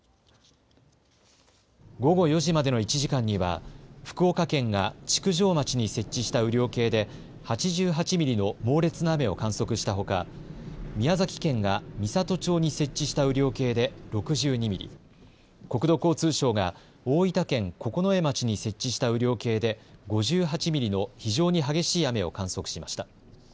午後４時までの１時間には福岡県が築上町に設置した雨量計で８８ミリの猛烈な雨を観測したほか、宮崎県が美郷町に設置した雨量計で６２ミリ、国土交通省が大分県九重町に設置した雨量計で５８ミリの非常に激しい雨を観測しました。